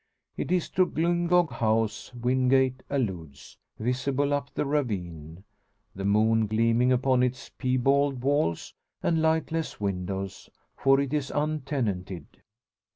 It is to Glyngog House Wingate alludes, visible up the ravine, the moon gleaming upon its piebald walls and lightless windows for it is untenanted.